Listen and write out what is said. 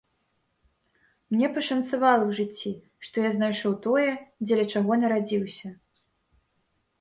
Мне пашанцавала ў жыцці, што я знайшоў тое, дзеля чаго нарадзіўся.